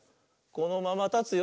「このままたつよ」